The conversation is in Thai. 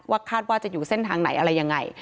คาดว่าจะอยู่เส้นทางไหนอะไรยังไง